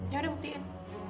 ya udah buktiin